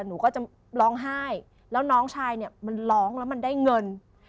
หนูก็จะร้องไห้แล้วน้องชายเนี่ยมันร้องแล้วมันได้เงิน